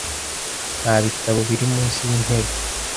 Nta bitabo biri munsi yintebe .